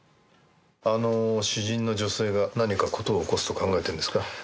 あの詩人の女性が何か事を起こすと考えているんですか。